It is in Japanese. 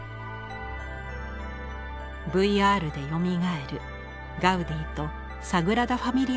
ＶＲでよみがえるガウディとサグラダ・ファミリアの物語です。